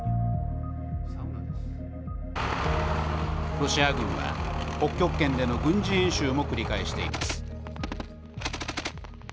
ロシア軍は、北極圏での軍事演習も繰り返しています。